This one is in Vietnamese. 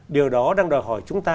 điều đó đang đòi hỏi chúng ta